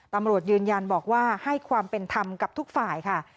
ตำรวจยืนยันบอกว่าให้ความเป็นธรรมกับทุกฝ่ายค่ะ